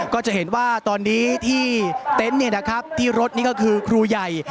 ก็จะเห็นว่าตอนนี้ที่เตนท์นี่นะครับที่รถนี้ก็คือครูใหญ่